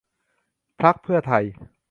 พรรคเพื่อไทย